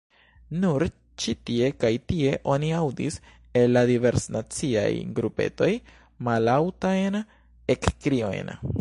Nur ĉi tie kaj tie oni aŭdis el la diversnaciaj grupetoj mallaŭtajn ekkriojn: